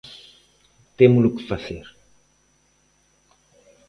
Témolo que facer.